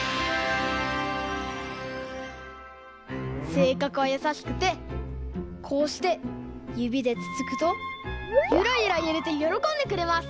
せいかくはやさしくてこうしてゆびでつつくとゆらゆらゆれてよろこんでくれます。